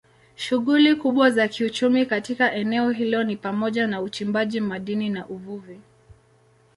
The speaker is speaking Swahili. Shughuli kubwa za kiuchumi katika eneo hilo ni pamoja na uchimbaji madini na uvuvi.